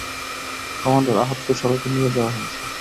Commander, আহতদের সবাইকে নিয়ে যাওয়া হয়েছে।